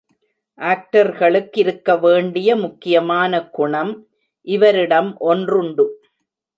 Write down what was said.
ஆக்டர்களுக்கிருக்க வேண்டிய முக்கியமான குணம் இவரிடம் ஒன்றுண்டு.